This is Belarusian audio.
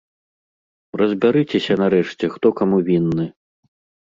Разбярыцеся нарэшце, хто каму вінны!